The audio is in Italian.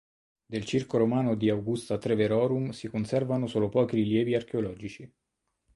Del circo romano di "Augusta Treverorum" si conservano solo pochi rilievi archeologici.